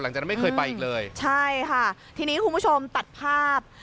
ไม่เคยไปอีกเลยใช่ค่ะทีนี้คุณผู้ชมตัดภาพ